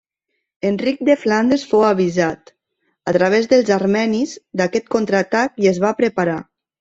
Enric de Flandes fou avisat, a través dels armenis, d'aquest contraatac i es va preparar.